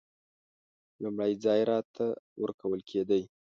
لومړی ځای راته ورکول کېدی.